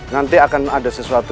nanti akan ada sesuatu